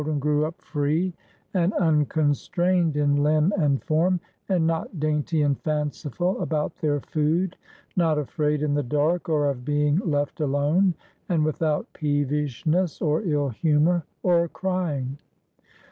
1876, by Little, Brown, and Company, 41 GREECE grew up free and unconstrained in limb and form, and not dainty and fanciful about their food; not afraid in the dark, or of being left alone; and without peevishness or ill humor or crying.